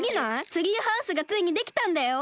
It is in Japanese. ツリーハウスがついにできたんだよ！